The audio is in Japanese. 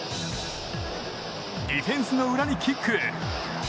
ディフェンスの裏にキック。